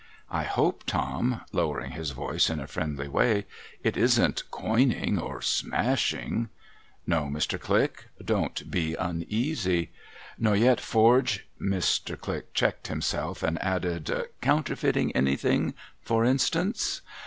' I hope, Tom,' lowering his voice in a friendly way, ' it isn't coining, or smashing ?'' No, Mr. Click. Don't he uneasy.' ' Nor yet forg ' Mr. Click cliecked himself, and added, ' counterfeiting anything, for instance